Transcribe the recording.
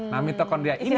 nah mitokondria ini